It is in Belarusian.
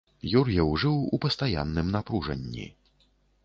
Юр'еў жыў у пастаянным напружанні.